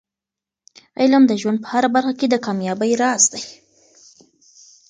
علم د ژوند په هره برخه کې د کامیابۍ راز دی.